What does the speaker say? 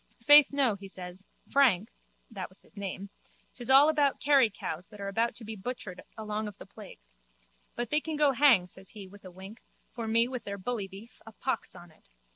Faith, no, he says, Frank (that was his name), 'tis all about Kerry cows that are to be butchered along of the plague. But they can go hang, says he with a wink, for me with their bully beef, a pox on it.